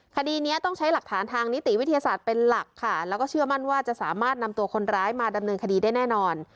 คดีนี้ต้องใช้หลักฐานทางนิติวิทยาศาสตร์เป็นหลักค่ะแล้วก็เชื่อมั่นว่าจะสามารถนำตัวคนร้ายมาดำเนินคดีได้แน่นอน